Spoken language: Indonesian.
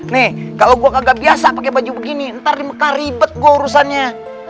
nih kalau gua kagak biasa pake baju begini ntar di mekar ribet gua urusannya